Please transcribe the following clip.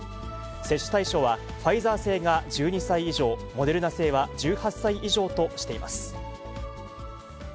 接種対象は、ファイザー製が１２歳以上、モデルナ製は１８歳以上としています。